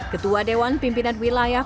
ketua dewan pimpinan wilayah